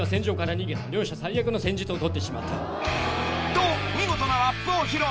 ［と見事なラップを披露］